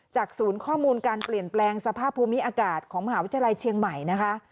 ศูนย์ข้อมูลการเปลี่ยนแปลงสภาพภูมิอากาศของมหาวิทยาลัยเชียงใหม่นะคะ